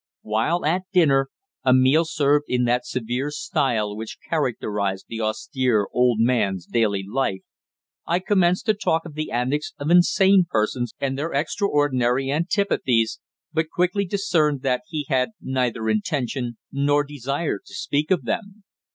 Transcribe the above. While at dinner, a meal served in that severe style which characterised the austere old man's daily life, I commenced to talk of the antics of insane persons and their extraordinary antipathies, but quickly discerned that he had neither intention nor desire to speak of them.